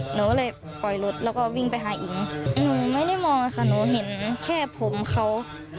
หนูก็เลยปล่อยรถแล้วก็วิ่งไปหาอิ๋งหนูไม่ได้มองค่ะหนูเห็นแค่ผมเขา